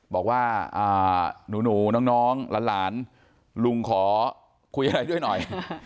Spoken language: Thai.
บอกว่าหนูน้องหลานลุงขอคุยอะไรด้วยหน่อย